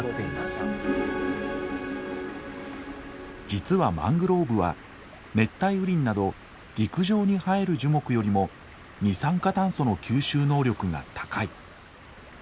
実はマングローブは熱帯雨林など陸上に生える樹木よりも二酸化炭素の吸収能力が高い。